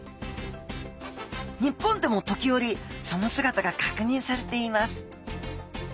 日本でも時折その姿がかくにんされています